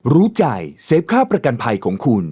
รู้ใจเซฟค่าประกันภัยของคุณ